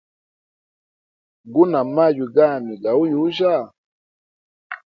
Guna maywi gami gauyujya?